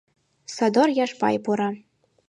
Содор Яшпай пура.